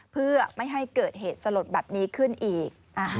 เพื่อไม่ให้เกิดเหตุสลดแบบนี้ขึ้นอีก